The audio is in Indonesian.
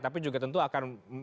tapi juga tentu akan